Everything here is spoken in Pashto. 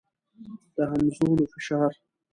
د همځولو فشار.